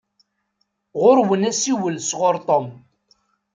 Ɣuṛ-wen asiwel sɣuṛ Tom.